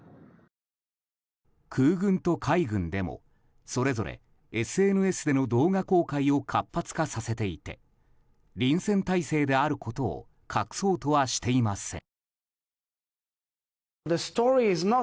空軍と海軍でもそれぞれＳＮＳでの動画公開を活発化させていて臨戦態勢であることを隠そうとはしていません。